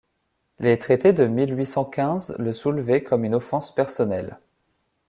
Les traités de mille huit cent quinze le soulevaient comme une offense personnelle.